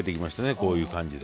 こういう感じで。